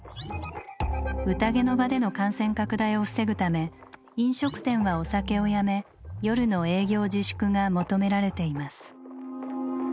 「宴」の場での感染拡大を防ぐため飲食店はお酒をやめ夜の営業自粛が求められています。